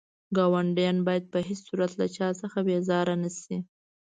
ګاونډيان بايد په هيڅ صورت له چا څخه بيزاره نه شئ.